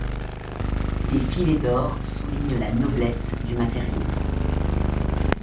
Des filets d'or soulignent la noblesse du matériau.